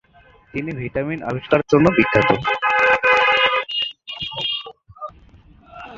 তিনি ভিটামিন আবিষ্কারের জন্য বিখ্যাত।